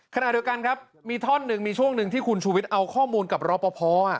ขณะเดียวกันครับมีท่อนหนึ่งมีช่วงหนึ่งที่คุณชูวิทย์เอาข้อมูลกับรอปภ